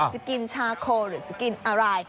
จะกินชาโคหรือจะกินอะไร